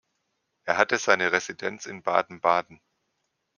Er hatte seine Residenz in Baden-Baden.